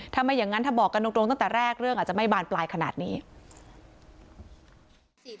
ถ้าไม่อย่างนั้นถ้าบอกกันตรงตั้งแต่แรกเรื่องอาจจะไม่บานปลายขนาดนี้